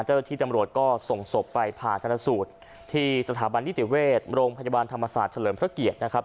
เจ้าหน้าที่ตำรวจก็ส่งศพไปผ่าธนสูตรที่สถาบันนิติเวชโรงพยาบาลธรรมศาสตร์เฉลิมพระเกียรตินะครับ